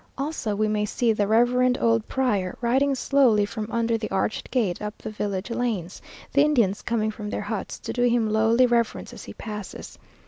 Also we may see the reverend old prior riding slowly from under the arched gate up the village lanes, the Indians coming from their huts to do him lowly reverence as he passes.